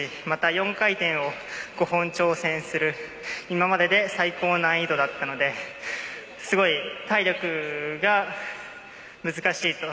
また、４回転を５本挑戦する今までで最高難易度だったのですごい体力が難しい。